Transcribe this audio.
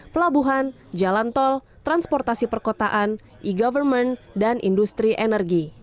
pelabuhan jalan tol transportasi perkotaan e government dan industri energi